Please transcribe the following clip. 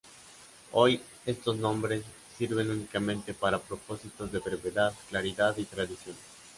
Hoy estos nombres sirven únicamente para propósitos de brevedad, claridad y tradición.